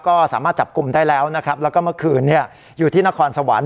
ก็สามารถจับกลุ่มได้แล้วนะครับแล้วก็เมื่อคืนอยู่ที่นครสวรรค์